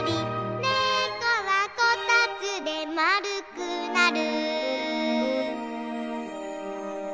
「ねこはこたつでまるくなる」